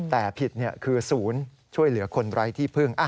แต่ผิดคือศูนย์ช่วยเหลือคนไร้ที่พึ่ง